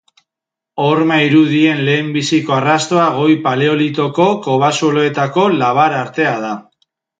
Horma irudien lehenbiziko arrastoa Goi Paleolitoko kobazuloetako labar artea da.